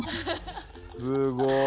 すごい。